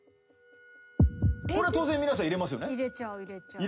これ当然皆さん入れますよね？